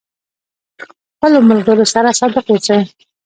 د خپلو ملګرو سره صادق اوسئ.